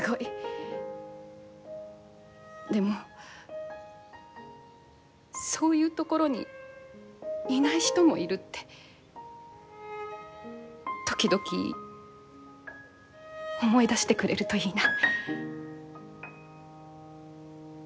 でもそういうところにいない人もいるって時々思い出してくれるといいな。